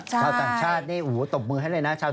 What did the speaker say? ชาวต่างชาตินี่โอ้โหตบมือให้เลยนะชาวต่างชาติ